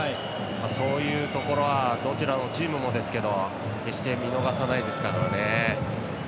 そういうところはどちらのチームもですけど決して、見逃さないですからね。